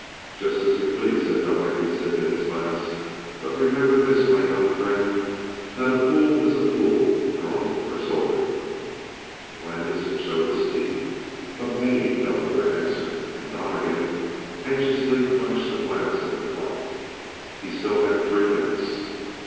"Just as you please," said Donnegan, sipping his glass. "But remember this, my young friend, that a fool is a fool, drunk or sober." Landis showed his teeth, but made no other answer. And Donnegan anxiously flashed a glance at the clock. He still had three minutes.